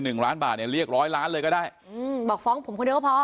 หนึ่งล้านบาทเนี้ยเรียกร้อยล้านเลยก็ได้อืมบอกฟ้องผมคนเดียวก็พอ